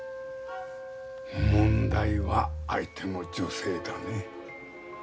問題は相手の女性だね。